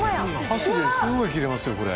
箸ですごい切れますよこれ。